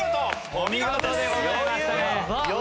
お見事でございましたね。